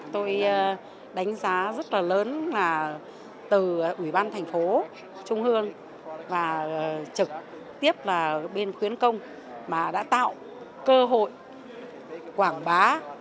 tôi đánh giá rất là lớn từ ủy ban thành phố trung hương và trực tiếp là bên khuyến công mà đã tạo cơ hội quảng bá